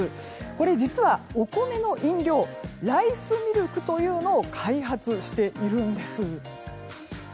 これ、実はお米の飲料ライスミルクというものを開発しているんです。